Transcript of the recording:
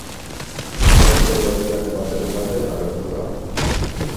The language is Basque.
Pauso berriak ematearen alde agertu da.